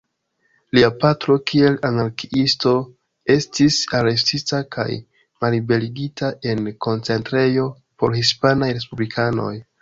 Lia patro, kiel anarkiisto, estis arestita kaj malliberigita en koncentrejo por hispanaj respublikanoj.